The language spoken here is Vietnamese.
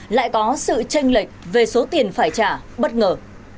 lại có sự tranh lệch về số tiền phải trả bất ngờ